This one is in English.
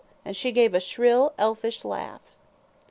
and she gave a shrill, elfish laugh.